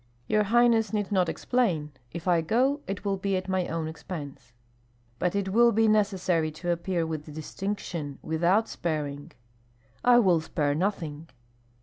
"Your highness need not explain. If I go, it will be at my own expense." "But it will be necessary to appear with distinction, without sparing." "I will spare nothing."